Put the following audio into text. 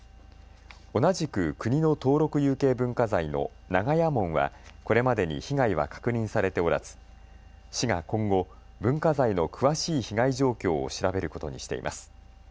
同じく国の登録有形文化財の長屋門はこれまでに被害は確認されておらず市が今後、文化財の詳しい被害状況を調べることにしています。